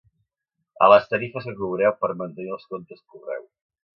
A les tarifes que cobreu per mantenir els comptes correu.